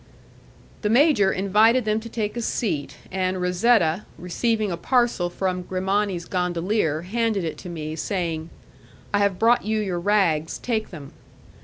The major invited them to take a seat, and Razetta, receiving a parcel from Grimani's gondolier, handed it to me, saying, "I have brought you your rags; take them."